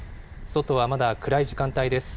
外はまだ暗い時間帯です。